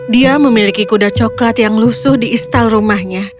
dia memiliki kuda coklat yang lusuh di istal rumahnya